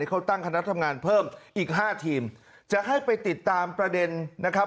เขาตั้งคณะทำงานเพิ่มอีกห้าทีมจะให้ไปติดตามประเด็นนะครับ